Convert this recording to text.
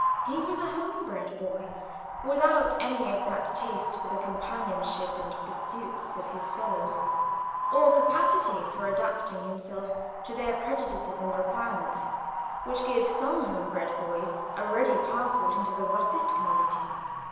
He was a home bred boy, without any of that taste for the companionship and pursuits of his fellows, or capacity for adapting himself to their prejudices and requirements, which give some home bred boys a ready passport into the roughest communities.